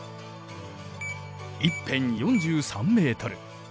一辺４３メートル。